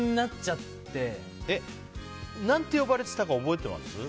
何て呼ばれてたか覚えてます？